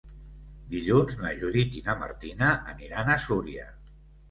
Dilluns na Judit i na Martina aniran a Súria.